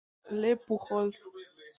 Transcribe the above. Les Pujols